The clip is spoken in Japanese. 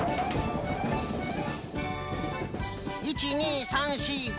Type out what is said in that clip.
１２３４５。